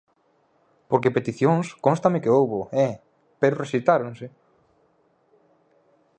Porque peticións cónstame que houbo,!eh¡, pero rexeitáronse.